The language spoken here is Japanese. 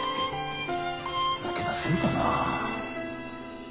抜け出せるかな。